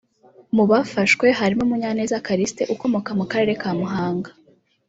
Mu bafashwe harimo Munyaneza Callixte ukomoka mu Karere ka Muhanga